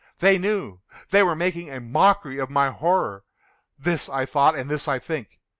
—they knew!—they were making a mockery of my horror!—this I thought, and this I think.